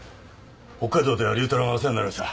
北海道では龍太郎がお世話になりました。